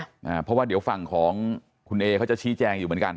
เพราะว่าเดี๋ยวฝั่งของคุณเอเขาจะชี้แจงอยู่เหมือนกัน